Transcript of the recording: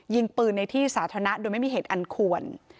ยิงปืนในที่สาธารณะโดยไม่มีเหตุอันควร